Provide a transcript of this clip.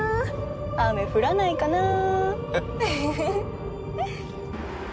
雨降らないかなぁ。